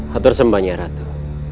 hater sembanya ratu